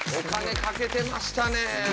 かけてましたね。